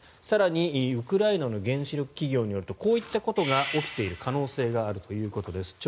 更にウクライナの原子力企業によるとこういったことが起きている可能性があるということです。